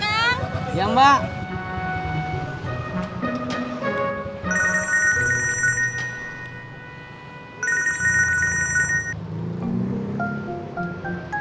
sebentar ya kang iya mbak